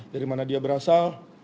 dari mana dia berasal